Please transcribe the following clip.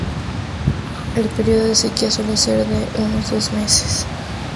El periodo de sequía suele ser de unos dos meses.